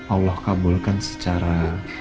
allah kabulkan secara